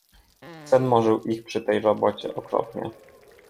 Sen morzył ich przy tej robocie okropnie.